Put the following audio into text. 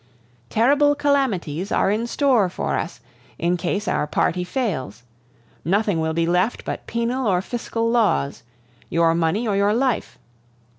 "Terrible calamities are in store for us, in case our party fails. Nothing will be left but penal or fiscal laws your money or your life.